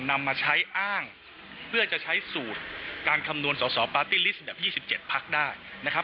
นำมาใช้อ้างเพื่อจะใช้สูตรการคำนวณสอสอปาร์ตี้ลิสต์ดับ๒๗พักได้นะครับ